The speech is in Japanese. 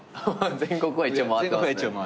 全国は一応回ってますね。